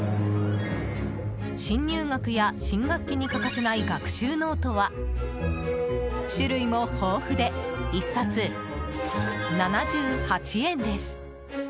新入学や新学期に欠かせない学習ノートは種類も豊富で、１冊７８円です。